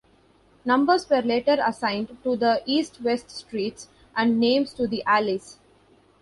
Numbers were later assigned to the east-west streets and names to the alleys.